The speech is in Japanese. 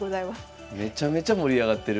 めちゃめちゃ盛り上がってる。